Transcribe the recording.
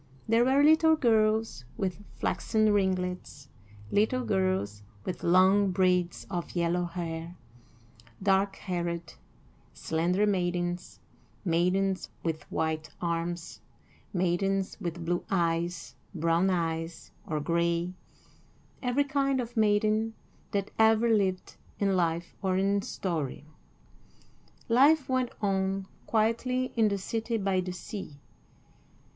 There were little girls with flaxen ringlets, little girls with long braids of yellow hair; dark haired, slender maidens, maidens with white arms, maidens with blue eyes, brown eyes, or gray every kind of maiden that ever lived, in life or in story. Life went on quietly in the city by the sea.